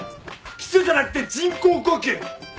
キスじゃなくて人工呼吸！